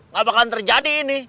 gapakan terjadi ini